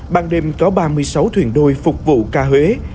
ban đêm có ba mươi sáu thuyền đôi phục vụ ca huế